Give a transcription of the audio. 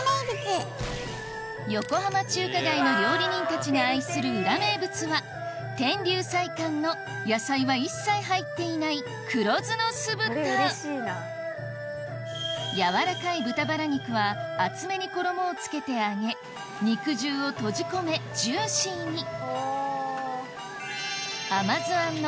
横浜中華街の料理人たちが愛する裏名物は天龍菜館の野菜は一切入っていない黒酢の酢豚柔らかい豚バラ肉は厚めに衣をつけて揚げ肉汁を閉じ込めジューシーに甘酢あんの